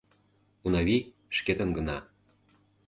Унавий шкетын гына.